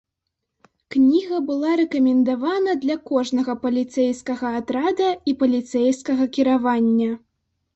Кніга была рэкамендавана для кожнага паліцэйскага атрада і паліцэйскага кіравання.